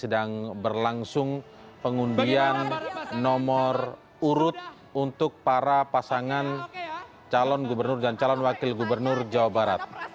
dan detik untuk pelajar